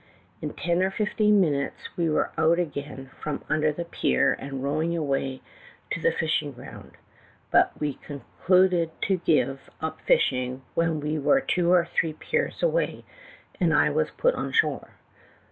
In ten or fifteen min utes we were out again from under the pier and rowing away to the fishing ground. But we con cluded to give up fishing when we and I was '' Stop the him him to were two or three piers away, put on shore.